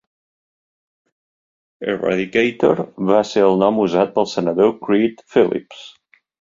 Eradicator va ser el nom usat pel senador Creed Phillips.